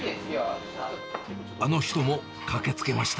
あの人も駆けつけました。